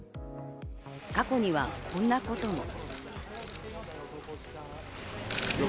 過去にはこんなことも。